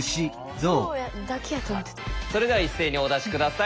それでは一斉にお出し下さい。